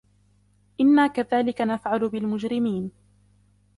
إنا كذلك نفعل بالمجرمين